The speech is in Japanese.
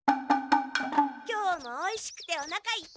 今日もおいしくておなかいっぱい！